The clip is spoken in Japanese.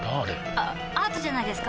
あアートじゃないですか？